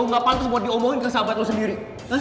harus buat diomongin ke sahabat lo sendiri